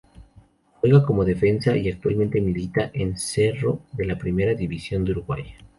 Juega como defensa y actualmente milita en Cerro de la Primera División de Uruguay.